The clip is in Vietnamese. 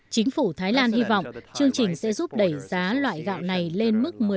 chính phủ thái lan hy vọng chương trình sẽ giúp đẩy giá gạo này lên mức một mươi ba bạt một tấn